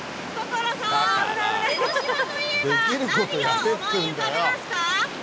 江の島といえば何を思い浮かべますか？